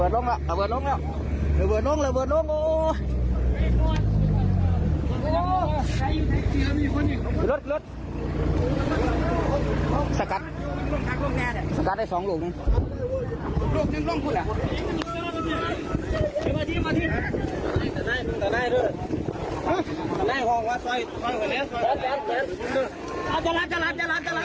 สะกัดสะกัดได้สองลูกนึง